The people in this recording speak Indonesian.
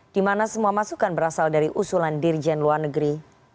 di mana semua masukan berasal dari usulan dirjen luar negeri